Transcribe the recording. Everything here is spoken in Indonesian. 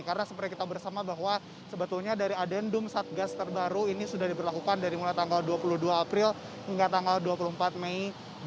karena seperti kita bersama bahwa sebetulnya dari adendum satgas terbaru ini sudah diberlakukan dari mulai tanggal dua puluh dua april hingga tanggal dua puluh empat mei dua ribu dua puluh satu